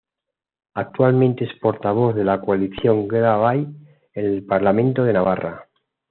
Actualmente es portavoz de la coalición Geroa Bai en el Parlamento de Navarra.